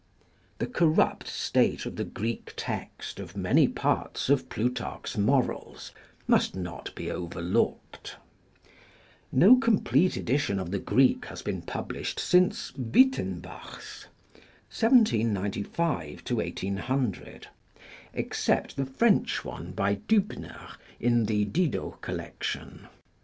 The corrupt state of the Greek text of many parts of Plutarch's Morals must not be overlooked. No complete edition of the Greek has been published since Wyttenbach's (1795 1800), except the French one by Diibner in the Didot collection.